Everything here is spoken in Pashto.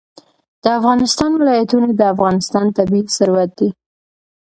د افغانستان ولايتونه د افغانستان طبعي ثروت دی.